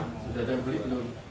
sudah ada beli belum